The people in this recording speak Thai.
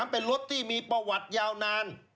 เป็นรถที่มีประวัติยาวนาน